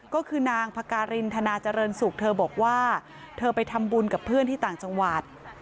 ก็คือนางพการินธนาเจริญสุขเธอบอกว่าเธอไปทำบุญกับเพื่อนที่ต่างจังหวัด